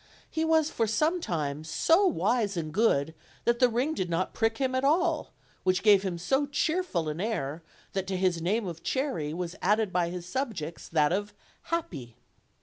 He was for some time so wise and good that the ring did not prick him at all, which gave him so cheerful an air that to his name of Cherry was added by his subjects that of Happy.